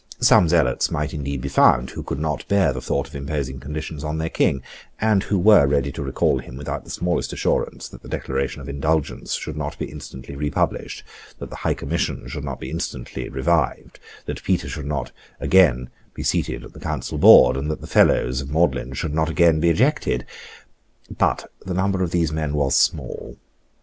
Some zealots might indeed be found who could not bear the thought of imposing conditions on their King, and who were ready to recall him without the smallest assurance that the Declaration of Indulgence should not be instantly republished, that the High Commission should not be instantly revived, that Petre should not be again seated at the Council Board, and that the fellows of Magdalene should not again be ejected. But the number of these men was small.